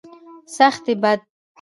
سختي بد دی.